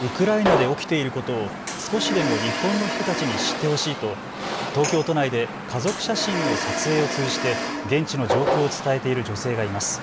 ウクライナで起きていることを少しでも日本の人たちに知ってほしいと東京都内で家族写真の撮影を通じて現地の状況を伝えている女性がいます。